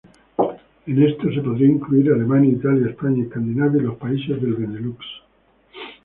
En estos se podría incluir Alemania, Italia, España, Escandinavia y los países del Benelux.